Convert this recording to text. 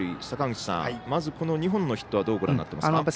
坂口さん、まずこの２本のヒットどうご覧になっていますか？